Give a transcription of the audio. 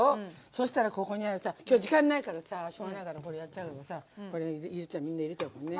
そしたらここにある今日時間ないからさしょうがないからこれやっちゃうけどさこれ入れちゃうみんな入れちゃうのね。